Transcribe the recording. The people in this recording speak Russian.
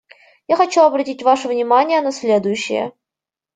Я хочу обратить ваше внимание на следующее.